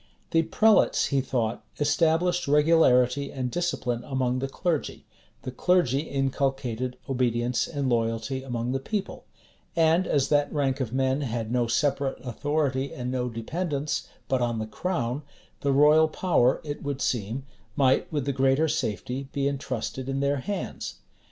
The prelates, he thought, established regularity and discipline among the clergy; the clergy inculcated obedience and loyalty among the people; and as that rank of men had no separate authority and no dependence but on the crown, the royal power, it would seem, might with the greater safety be intrusted in their hands.